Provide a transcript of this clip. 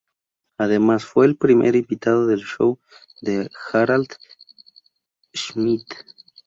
Además, fue el primer invitado del show de Harald Schmidt.